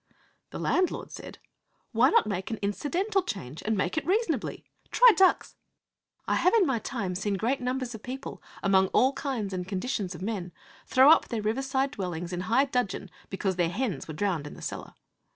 The landlord said, 'Why not make an incidental change, and make it reasonably? Try ducks!' I have in my time seen great numbers of people, among all kinds and conditions of men, throw up their riverside dwellings in high dudgeon because their hens were drowned in the cellar.